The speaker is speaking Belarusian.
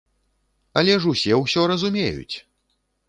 Але ж усе ўсё разумеюць!